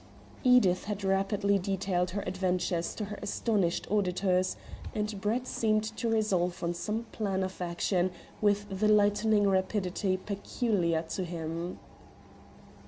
Edith had rapidly detailed her adventures to her astonished auditors, and Brett seemed to resolve on some plan of action with the lightning rapidity peculiar to him.